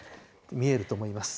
見えると思います。